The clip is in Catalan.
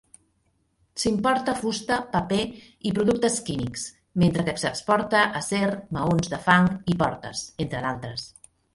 S'importa fusta, paper i productes químics, mentre que s'exporta acer, maons de fang i portes, entre d'altres.